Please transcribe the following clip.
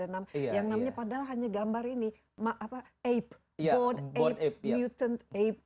yang namanya padahal hanya gambar ini ape mutant ape